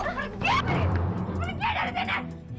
pergi dari sini